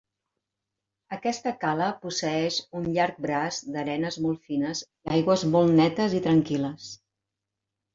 Aquesta cala posseeix un llarg braç d'arenes molt fines i aigües molt netes i tranquil·les.